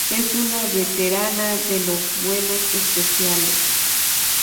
Es una veterana de los vuelos espaciales.